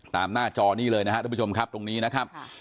หน้าจอนี้เลยนะครับทุกผู้ชมครับตรงนี้นะครับ